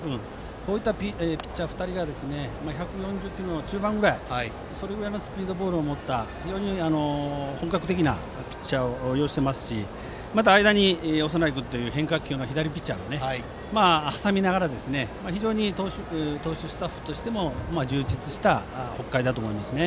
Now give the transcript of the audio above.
こういったピッチャー２人が１４０キロの中盤ぐらいそれぐらいのスピードボールを持った本格的なピッチャーを擁していますし間に長内くんという変化球の左ピッチャーを挟みながら非常に投手スタッフとしても充実した北海だと思います。